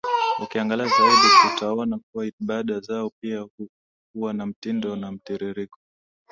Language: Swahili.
Ukiangalia zaidi utaona kuwa ibada zao pia huwa na mtindo na mtiririko